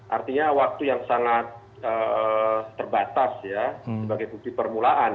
artinya waktu yang sangat terbatas ya sebagai bukti permulaan